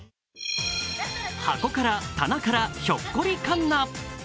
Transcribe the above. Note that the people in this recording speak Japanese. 箱から棚からひょっこりかんな。